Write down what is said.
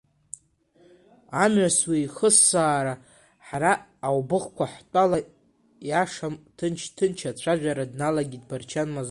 Амҩасҩы иххысаара, ҳара, Аубыхқәа ҳтәала ииашам, ҭынч-ҭынч ацәажәара дналагеит Барчан Мазлоу.